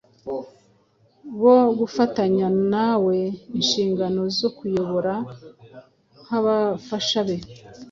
bo gufatanya nawe inshingano zo kuyobora nk’abafasha be,